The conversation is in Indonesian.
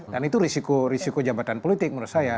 dan itu risiko jabatan politik menurut saya